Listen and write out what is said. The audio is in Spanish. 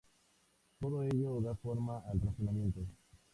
Todo ello da forma al razonamiento.